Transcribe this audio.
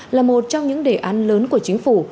là một trong những đề án lớn của chính phủ